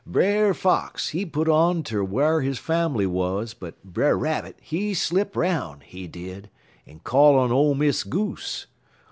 "Brer Fox, he put out ter whar his fambly wuz, but Brer Rabbit, he slip 'roun', he did, en call on ole Miss Goose.